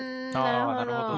なるほど。